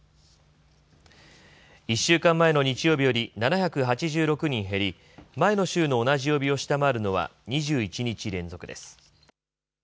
１週間前の日曜日より７８６人減り前の週の同じ曜日を下回るのは２１日連続です。